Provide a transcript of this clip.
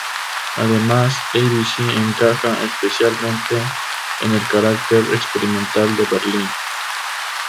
Además, abc encaja especialmente con el carácter experimental de Berlín.